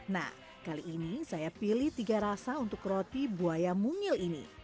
nah kali ini saya pilih tiga rasa untuk roti buaya mungil ini